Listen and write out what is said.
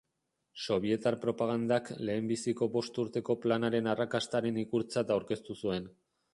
Sobietar propagandak Lehenbiziko Bost Urteko Planaren arrakastaren ikurtzat aurkeztu zuen